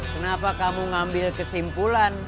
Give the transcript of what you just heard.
kenapa kamu ngambil kesimpulan